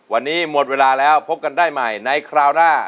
วันนี้หมดเวลาแล้วพบกันได้ใหม่ในคราวหน้า